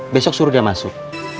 besok suruh dia masuk